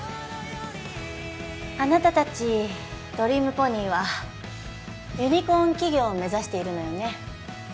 あなた達ドリームポニーはユニコーン企業を目指しているのよね？